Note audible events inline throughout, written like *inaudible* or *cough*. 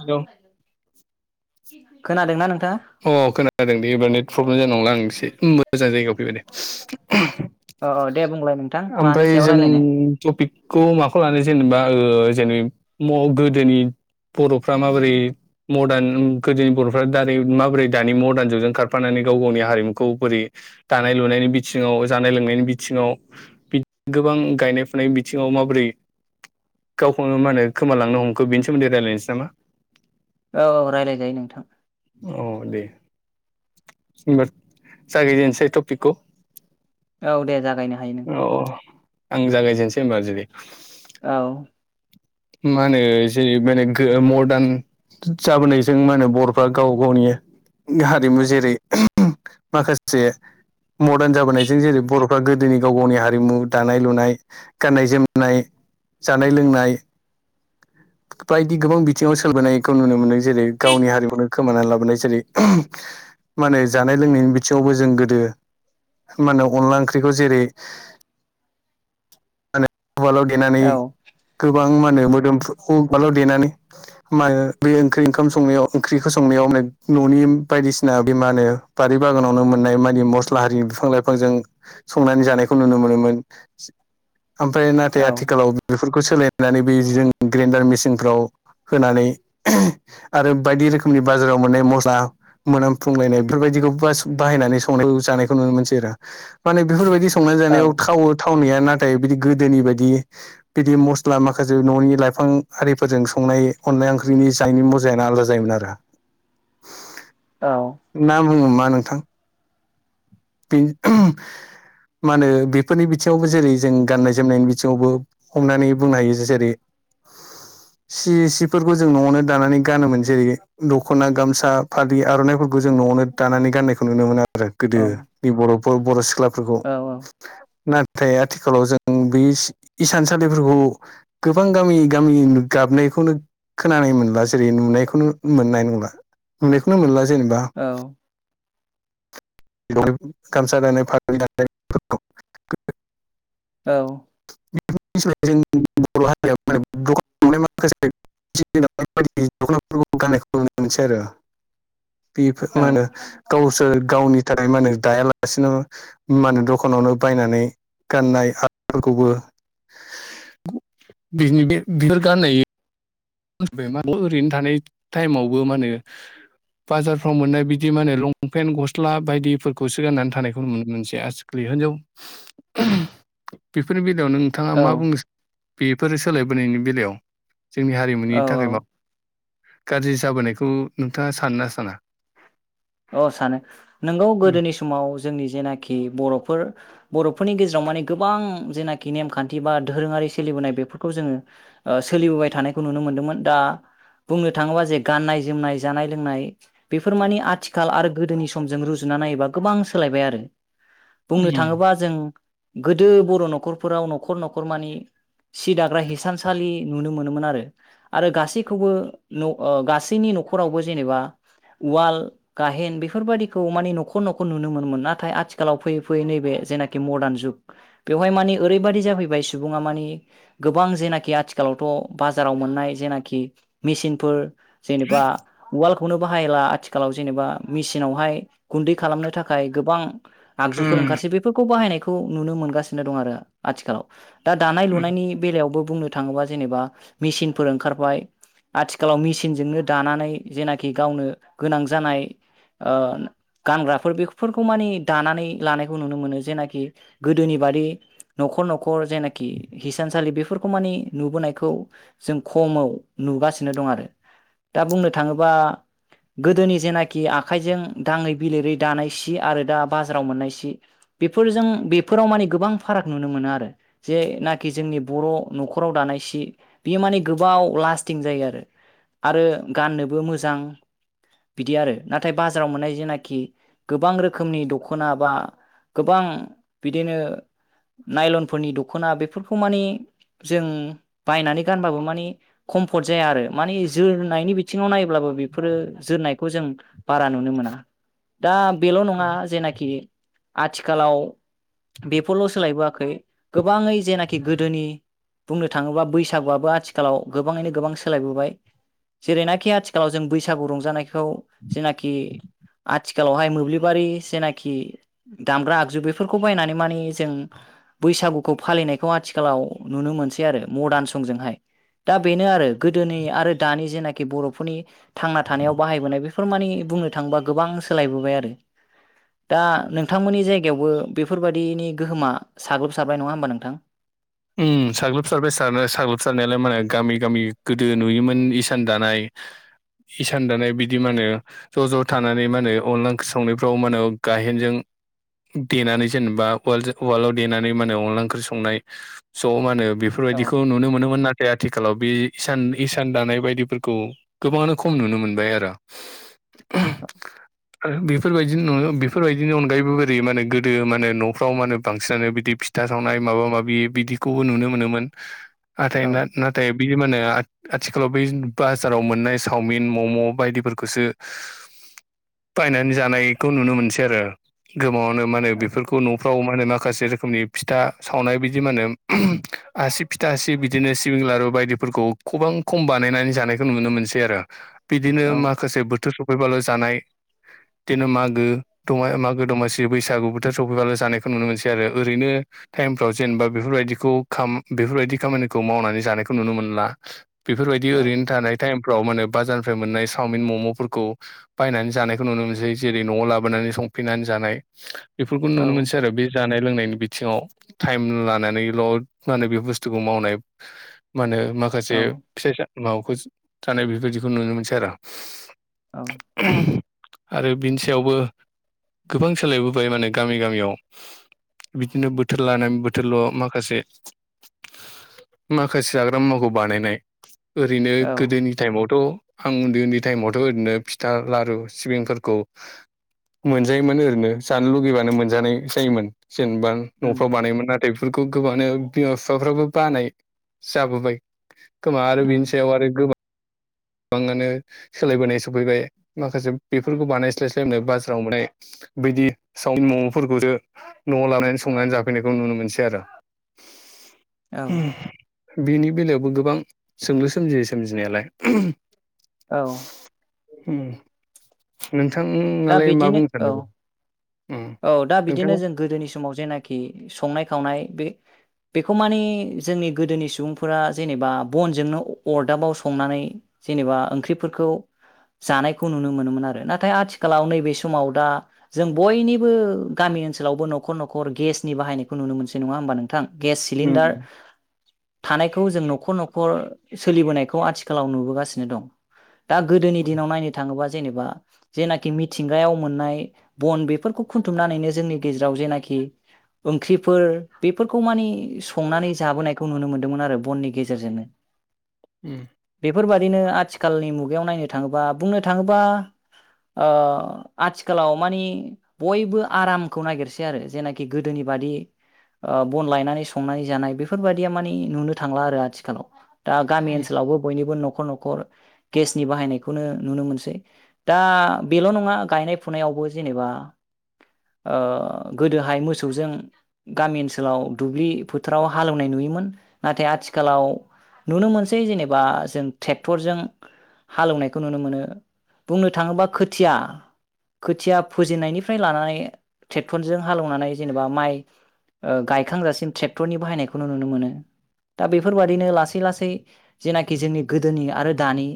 Hello खोनादों ना नों अ खोनादों बे एबा नेटवर्क मोजांं नंलां एसे मोजां जायगायाव औ औ दे बुंलाय नोंथां मानि ओमफ्राय सायाव जों रायलायनो टपिकखौ माखौ लानो जेनेबा ओ दिनै म गोदोनि बर'फ्रा माबोरै मदार्न गोदोनि बर'फ्रा दारै मा बोरै दानि मदार्न जुगजों खारफानानै गाव गावनि हारिमुखौ बोरै दानाय लुनायनि बिथिङाव, जानाय लोंनायनि बिथिङाव बि गोबां गायनाय फुनाय बिथिङाव माबोरै गावखौनो मा होनो खोमालांनो हमखो बेनि सोमोन्दै रायलायनोसै नामा? औ रायलायजायो नोंथां। *unintelligible* जागायजेनोसै टपिकखौ। औ दे जागायनो हायो नोंथां। अ आं जागायजेननोसै होनबा जुदि औ मा होनो जेरै माने गो मदार्न जाबोनायजों मा होनो बर'फ्रा गाव गावनि हारिमु जेरै *unintelligible* माखासे मदार्न जाबोनायजों जेरै बर'फ्रा गोदोनि गाव गावनि हारिमु दानाय लुनाय, गाननाय जोमनाय, जानाय लोंनाय बायदि गोबां बिथिङाव सोलबोनायखौ नुनो मोननाय जेरै गावनि हारिमुनो खोमानानै लाबोनाय जेरै *unintelligible* मा होनो जानाय लोंनायनि बिथिङावबो जों गोदो मा होनो अनला ओंख्रिखौ ओ जेरै *unintelligible* उवालाव देनानै औ गोबा मा होनो मोदोमफ्रु *unintelligible* उवालाव देनानै मा होनो बे ओंख्रि ओंखाम संनायाव ओंख्रिखौ संनायाव *unintelligible* न'नि बायदिसिना बे मा ओनो बारि बागानावनो मोननाय मादि मस्ला हारि बिफां लाइफांजों संनानै जानायखौ नुनो मोनोमोन। ओमफ्राय औ नाथाय आथिखालाव बे फोरखौ सोलाय नानै जों ग्रेनडार मेसिनफ्राव होनानै *unintelligible* आरो बायदि रोखोमनि बाजाराव मोननाय मस्ला मोनामफुंलायनाय बेफोरबायदिखौ बास बाहायनानै संनाय जानायखौ नुनो मोनसै आरो माने बेफोरबायदि स संनाय जानायाव औ थावो था थावनाया नाथाय बिदि गोदोनि बायदि बिदि मस ला माखासे न'नि लाइफां आरिफोरजों संनाय अनला ओंख्रिनि जानायनि मजायानो आलदा जायोमोन आरो औ नाम हमा नोंथां बे *unintelligible* मा होनो बेफोरनि बिथिङावबो जेरै जों गाननाय जोमनायनि बिथिङावबो हमनानै बुंनो हायो जेरै सि सिफोरखौ जों न'आवनो दानानै गानोमोन जेरै द'खना गामसा फालि आर'नाइफोरखौ जों न'आवनो दानानै गाननायखौ नुनो मोनो आरो औ गोदो निबर' बर' सिख्ला *inaudible* औ ओमफ्राय आथिखालाव जों बे इसानसालिफोरखौ गोबां गामि गामि गाबनायखौनो खोनानाय मोनला जेरै नुनायखौनो मोननाय नंला नुनायखौनो मोनला जों जेनबा औ गामसा दानाय फालि दानाय फोरखौ औ *unintelligible* बे फो माहोनो गाव स सोर गावनि थाखाय मा होनो दायालासिनो मा होनो दखानावनो बायनानै गाननाय आदफोरखौबो *unintelligible* ओरैनो थानाय टाइमावबो मा होनो बाजारफ्राव मोननाय बिदि मा होन लंपेन गस्ला बायदिफोरखौसो गाननानै थानायखौ नुनो मोनसे आजिखालि होनजाव बेफोरनि नोंथाङा औ मा बुंनो सा बेफोरो सोलायबोनायनि बेलायाव जोंनि औ नि थाखाय औ बा गाज्रि जाबोनायखौ नोंथाङा सानोना साना अ सानो नोंगौ गोदोनि समाव जोंनि जेनाखि बर'फोर बर' फोरनि गेजेराव माने गोबां जेनाकि नेमखान्थि बा दोहोरोङारि सोलिबोनाय बेफोरखौ जोङो ओ सोलिबोबाय थानायखौ नुनो मोन्दोंमोन दा बुंनो थाङोबा जे गाननाय जोमनाय जानाय लोंनाय बेफोर माने आथिख आरो गोदोनि समजों रुजुना नायोबा गोबां सोलायबाय आरो बुंनो उम थाङोबा जों गोदो बर' न'खरफोराव न'खर न'खर मानि सि दाग्रा हिसानसालि नुनो मोनोमोन आरो आरो गासैखौबो न' ओ गासैनि न'खरावबो जेनेबा उवाल गाहेन बेफोरबादिखौ माने न'खर न'खर नुनो मोनोमोन नाथाय आथिखालाव फैयै फैयै नैबे जेनाकि मडार्न जुग बेवहाय माने ओरैबादि जाफैबाय सुबुङा माने गोबां जेनाकि आथिखालावथ' बाजाराव मोननाय जेनाकि मिसिनफोर जेनेबा उवाल खौनो बाहायला आथिखालाव ज जेनेबा मिसिनावहाय गुन्दै खालामनो थाखाय गोबां आगजुफोर उम ओंखारसै बेफोरखौ बाहायनाय खौ नुनो मोनगासिनो दं आरो आथिखालाव दा दानाय लुनायनि बेलायावबो बुंनो थाङोबा जेबा मिसिनफोर ओंखारबाय आथिखालाव मिसिनजोंनो दानानै जेनाकि गावनो गोनां ज जानाय ओ गानग्राफोर बेखौफोरखौ मानि दानानै लानायखौ नुनो मोनो जेनाखि गोदोनि बादि न'खर न'खर जेनाकि हिसानसालि बेफोरखौ मानि नुबोनायखौ जों खमाव नुगासिनो दं आरो दा बुंनो थाङोबा गोदोनि जेनाकि आखाइजों दाङै बिलिरै दानाय सि आरो दा बाजाराव मोननाय सि बेफोरजों बेफोराव माने गोबां फाराग नुनो मोना आरो जेनाकि जोंनि बर' न'खराव दानाय सि बेयो माने गोबाव लास्टिं जायो आरो आरो गाननोबो मोजां बिदि आरो नाथाय बाजाराव मोननाय जेनाखि गोबां रोखोमनि दख'ना बा गोबां बिदिनो नायलनफोरनि दख'ना बेफोरखौ मानि जों बायनानै गानबाबो माने कम्फर्ट जाया आरो माने जोनायनि बिथिङाव नाय *unintelligible* बिफोरो जोननाय खौ जों बारा नुनो मोना दा बेल' नङा जेनाखि आथिखालाव बेफोरल' सोलायबोआखै गोबाङै जेनाखि गोदोनि बुंनो थाङोबा बैसागुआबो आथिखालाव गोबाङैनो गोबां सोलायबोबाय जेरैनाखि आथिखालाव जों बैसागु रंजानायख खौ जेनाखि आथिखालावहाय मोब्लिबारि जेनाखि दामग्रा आगजु बेफोरखौ बायनानै माने जों बैसागुखौ फालिनायखौ आथिखालाव नुनो मोनसै आरो मदान संजोंहाय दा बेनो आरो गोदोनि आरो दानि जेनाकि बर'फोरनि थांना थानायाव बाहायबोनाय बेफोर मानि बुंनो थाङोबा गोबां सोलायबोबाय आरो दा नोंथांमोननि जायगायावबो बेफोरबादिनि गोहोमा साग्लोबसारबाय नङा होमबा नोंथ उम साग्लोबसारबाय सारना साग्लोबसारनायालाय माने गामि गामि गोदो नुयोमोन इसान दानाय इसान दानाय बिदि माने ज' ज' थानानै माने अनला ओंख्रि संनायफ्राव माने गाहेनजों देनानै जेनेबा वर्ल्डजों वर्ल्डआव देनानै माने अनला ओंख्रि संनाय ज' मा होनो औ बेफोरबायदिखौ नुनो मोनोमोन नाथ थाय आथिखालाव बे इसान हिसान दानाय बायदिफोरखौ गोबाङानो खम नुनो मोनबाय आरो ओ बेफोरबायदि नु *unintelligible* बेफोरबायदिनि अनगायैबो बोरै माने गोदो माने न'फ्राव माने बांसिनानो बिदिख फिथा सावनाय माबा माबि बिदि खौबो नुनो मोनोमोन आथाय औ ना नाथाय बियो माहोनो आथ आथिखालाव बै ज बाजाराव मोननाय सावमिन मम' बायदिफोरखौसो बायनानै जानायखौ नुनो मोनसै आरो गोबाङावनो मा होनो बेफोरखौ न'फ्राव मा होनो माखासे रोखोमनि फिथा सावनाय बिदि माहोनो आसि फिथा आसि बिदिनो सिबिं लारु बायदिफोरखौ खबां खम बानायनानै जानायखौ नुनो मोनसै आरो बिदिनो औ माखासे बोथोर फ सफैबाल' जानाय दिनो मागो दमा मागो दमासि बैसागु बोथोर सफैबाल' जानायखौ नुनो मोनसै आरो ओरैनो टाइमफ्राव जेनेबा बेफोरबायदिख खौ खाम बेफोरबायदि खामानिखौ मावनानै जानायखौ नुनो मोनला बेफोरबायदि औ ओरैनो थानाय टाइमफ्राव मा होनो बाजारनिफ्राय मोननाय सावमिन मम'फोरखौ बायनानै जानायखौ नुनो मोनसै जेरै न'आव लाबोनानै संफिनानै जानाय बेफोरखौ नुनो औ मोनसै आरो बे जानाय लोंनायनि बिथिङाव थाइम लानानै ल'द माने बे बुस्थुखौ मावनाय मा होनो माखासे औ फिसा *unintelligible* सा मावखोस थानाय बेफोरबायदिखौ नुनो मोनसै आरो औ आरो बिनि सायावबो गोबां सोलायबोबाय माने गामि गामियाव बिदिनो बोथोर लानानै बोथोरल' माख खासे माखासे जाग्रा मुवाखौ बानायनाय ओरैनो औ गोदोनि टाइमावथ' आं उन्दै उन्दै टाइमावथ' ओरैनो फिथा लारु सिबिंफोरखौ मोनजायोमोन ओरैनो जानो लुगैबानो मोनजानाय जायोमोन। जेनबा उम न'फ्राव बानायोमोन नाथाय बेफोर गोबाङानो ओ बिमा- बिफाफ्राबो बानाय जाबोबाय खोमा आरो उम बिनि सायाव आरो गोबां गोबाङानो सोलायबोनाय सफैबाय माखासे बेफोरखौ बानायस्लायस्लायनो बास जाव माने बेदि सावमिन म'म'फोरखौसो न'आव लानानै संनानै जाफैनायखौ नुनो मोनसै आरो औ *unintelligible* होम बेनि बेलायाव ओ गोबां सोंलु सोमजियो सोमजिनायालाय औ अम नों दा थाङालाय मा बिदिनो बुंनो औ सानदोंमोन औ दा बिदिनो जों गोदोनि समाव जेनाखि संनाय खावनाय बे बेखौ माने जोंनि गोदोनि सुबुंफोरा जेनेबा बनजोंनो अरदाबाव संनानै जेनेबा ओंख्रिफोरखौ जानायखौ नुनो मोनोमोन आरो नाथाय आथिखालाव नैबे समाव दा जों बयनि बो गामि ओनसोलावबो न'खर-न'खर गेसनि बाहायनायखौ नुनो मोनसै नंङा होमबा नों थां गेस सिलिन्दार उम थानायखौ जों न'खर-न'खर सोलिबोनायखौ आथिखालाव नुबोगासिनो दं। दा गोदोनि उम दिनाव नायनो थाङो बा जेनेबा जेनाखि मिथिंगायाव मोननाय बन बेफोरखौ खुन्थुमनानैनो जोंनि गेजेराव जेनाखि ओंख्रिफोर बेफोरखौ मानि संनानै जाबोनायखौ नुनो मोन्दोंमोनआरो बननि गेजेरजों नो बेफोरबा दिनो आथिखालनि मुगायाव नायनो थांङोबा बुंनो थाङोबा ओ आथिखालाव मानि बयबो आरामखौ नागिरसैआरो जेनोखि गोदोनि बादि ओ बन लायनानै संनानै जानाय बेफोरबायदिया मानि नुनो थांलाआरो आथिखालाव। दा गामि उम ओनसावबो बयनिबो न खर-न'खर गेसनि बाहायनायखौनो नुनोमोनसै दा बेल नंङा गायनाय फुनायावबो जेनेबा ओ गोदोहाय मोसौजों गामि ओनसोलाव दुब्लि फोथाराव हालौवनाय नुयोमोन नाथाय आथिखालाव नुनो मोनसै जेनेबा जों ट्रेक्टरजों हालौवनायखौ नुनोमोनो बुंनो थाङोबा खोथिया-खोथिया फोजेननायनि फाय लानानै ट्रेक्टरजों हालेवनानै जेनेबा माइ गायखांजासिम ट्रेक्टरनि बाहायनायखौ नुनोमोनो दा बेफोरबादिनो लासै लासै जेनाखि जोंनि गोदोनि आरो दानि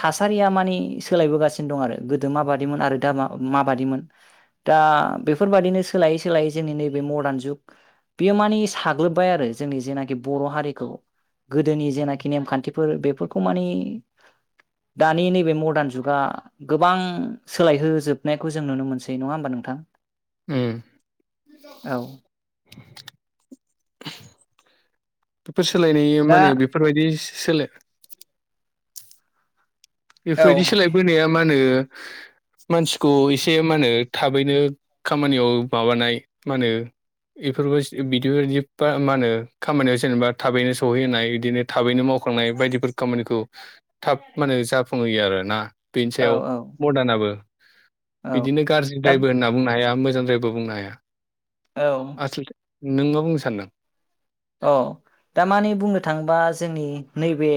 थासारिया मानि सोलायबोगासिनो दंआरो गोदो माबादिमोन आरो दा मा माबादिमोन। दा बेफोरबादिनो सोलायै-सोलायै जोंनि नैबे मदार्न जुग बेयो मानि साग्लोबबायआरो जोंनि जेनाखि बर'हारिखौ गोदोनि जेनाखि नेमखान्थिफोर बेफोरखौ मानि दानि नैबे मडार्न जुगा गोबां सोलायहोजोबनायखौ जों नुनो मोनसै। नंङा होमबा नोंथां। उम औ फोर सोलायनाय यो दा माने बेफोरबायदि सोलो बेफोरबायदि औ सोलायबोनाया माहोनो मानसिखौ इसे माहोनो थाबैनो खामानियाव माबानाय माहोनो इफोरबास बिदिबादिब माहोनो खामानियाव जेनेबा थाबैनो सहैहोनाय इदिनो थाबैनो मावखांनाय बायदिफोर खामानिखौ थाब मानो जाब फुंहोयो आरोना। बेनि औ सायाव मरदानाबो औ बिदिनो दा गाज्रिद्रायबो होनना बुंनोहाया मो जों जेबो बुंनो हाया। औ आसलथे नों मा बुंनो सान्दों। अह दा माने बुंनो थाङोबा जोंनि नैबे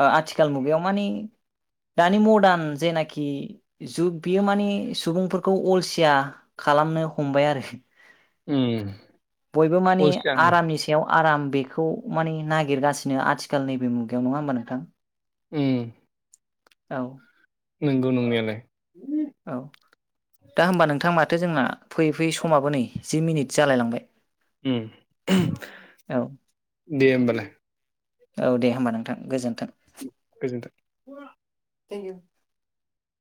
ओ आथिखाल मुगायाव मानि दानि मरदान जेनाखि जुग बेयो मानि सुबुंफोरखौ अलसिया खालामनो हमबाय आरो। उम बयबो माने अलसिया आरामनि सायाव आराम बेखौ माने नागिरगासिनो आथिखाल नैबे मुगायाव नङा ओमबा नों थां अम औ नोंगौ नंनायालाय। औ दा होमबा नोंथां माथो जोंना फैयै फैयै समाबो नै जि मिनिट जालायलांबाय। उम औ दे ओमबालाय। औ दे होमबा नोंथां गोजोनथों। गोजोनथो। *unintelligible*